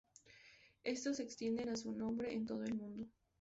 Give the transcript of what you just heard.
Estos se extienden a su nombre en todo el mundo.